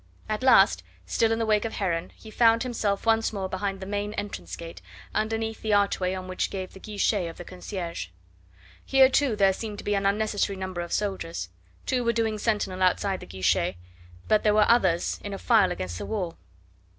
At last still in the wake of Heron he found himself once more behind the main entrance gate, underneath the archway on which gave the guichet of the concierge. Here, too, there seemed to be an unnecessary number of soldiers: two were doing sentinel outside the guichet, but there were others in a file against the wall.